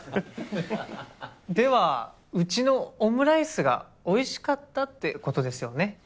ではうちのオムライスがおいしかったって事ですよね？